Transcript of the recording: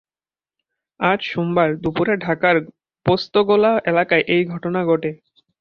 আজ সোমবার দুপুরে ঢাকার পোস্তগোলা এলাকায় এই ঘটনা ঘটে।